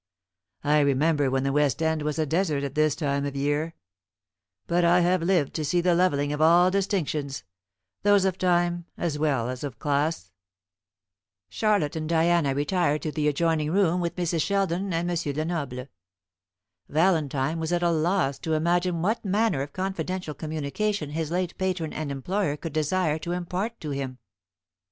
I remember when the West End was a desert at this time of year; but I have lived to see the levelling of all distinctions, those of time as well as of class." Charlotte and Diana retired to the adjoining room with Mrs. Sheldon and M. Lenoble. Valentine was at a loss to imagine what manner of confidential communication his late patron and employer could desire to impart to him.